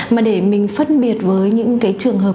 mà để mình phân biệt với những cái trường hợp